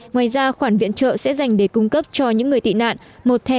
ngoài ra khoản viện trợ sẽ dành để cung cấp cho những người tị nạn một thẻ atm